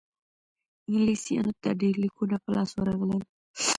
انګلیسیانو ته ډېر لیکونه په لاس ورغلل.